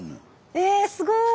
えすごい！